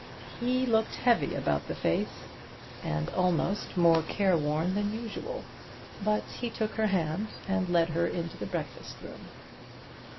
He looked heavy about the face, and almost more careworn than usual, but he took her hand and led her into the breakfast room.